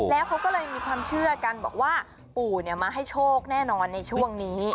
แล้วเขาก็เลยมีความเชื่อกันบอกว่าปู่มาให้โชคแน่นอนในช่วงนี้